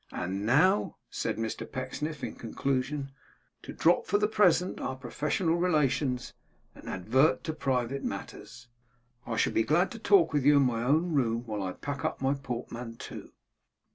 And now,' said Mr Pecksniff, in conclusion, 'to drop, for the present, our professional relations and advert to private matters, I shall be glad to talk with you in my own room, while I pack up my portmanteau.